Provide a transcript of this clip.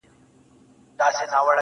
• د خپلي ژبي په بلا.